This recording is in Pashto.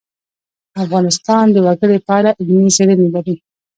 افغانستان د وګړي په اړه علمي څېړنې لري.